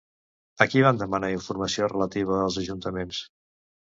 A qui van demanar informació relativa als ajuntaments?